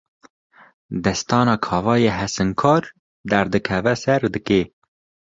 Destana Kawayê Hesinkar, derdikeve ser dikê